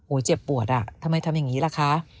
เจ็บปวดอ่ะทำไมทำอย่างนี้ล่ะคะ